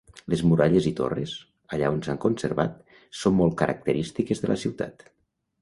Les muralles i torres, allà on s'han conservat, són molt característiques de la ciutat.